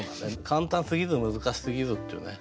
簡単すぎず難しすぎずっていうね。